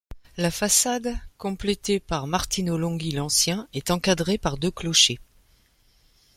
La façade, complétée par Martino Longhi l'Ancien, est encadrée par deux clochers.